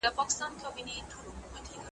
د ګل غونډۍ پر سره لمن له ارغوانه سره .